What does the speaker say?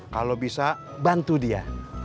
kalo bisa bantu dia